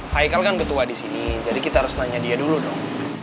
haikal kan ketua di sini jadi kita harus nanya dia dulu dong